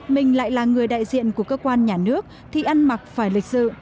mình lại là người đại diện của cơ quan nhà nước thì ăn mặc phải lịch sự